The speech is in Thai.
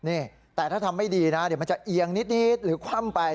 นี่แต่ถ้าทำไม่ดีนะเดี๋ยวมันจะเอียงนิดหรือคว่ำไป